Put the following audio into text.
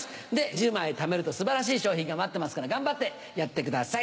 １０枚ためると素晴らしい賞品が待ってますから頑張ってやってください。